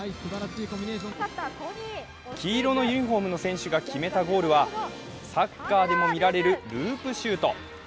黄色のユニフォームの選手が決めたゴールはサッカーでも見られるループシュート。